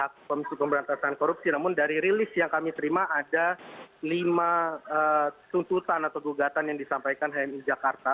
saya tidak menganggap ini adalah penggunaan korupsi namun dari realist yang kami terima ada lima tuntutan atau gugatan yang disampaikan hmi jakarta